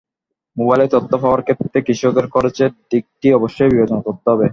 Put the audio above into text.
মোবাইলে তথ্য পাওয়ার ক্ষেত্রে কৃষকের খরচের দিকটি অবশ্যই বিবেচনা করতে হবে।